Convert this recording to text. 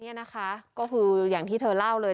เนี่ยนะคะอย่างที่เธอเล่าเลย